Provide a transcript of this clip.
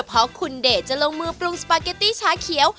เพราะคุณเดชจะลงมือปรุงสปาเกตตี้ชาเขียว